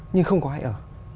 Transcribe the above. nhưng không có ai ở